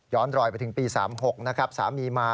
ย้อนรอยไปถึงปี๑๙๓๖สามีมา